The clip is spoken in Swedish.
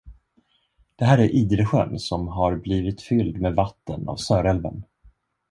Det här är Idresjön, som har blivit fylld med vatten av Sörälven.